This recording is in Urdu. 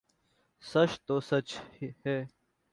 سچ تو سچ ہی